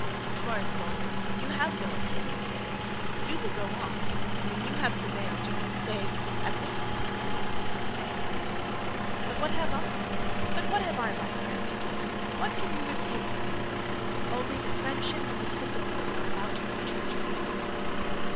You are invulnerable, you have no Achilles' heel. You will go on, and when you have prevailedYou can say: at this point many a one has failed. But what have I, but what have I, my friend, To give you, what can you receive from me? Only the friendship and the sympathyOf one about to reach her journey's end.